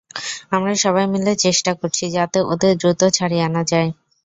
আমরা সবাই মিলে চেষ্টা করছি, যাতে ওদের দ্রুত ছাড়িয়ে আনা যায়।